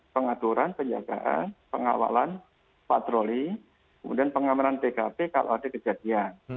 pengaturan penjagaan pengawalan patroli kemudian pengamanan tkp kalau ada kejadian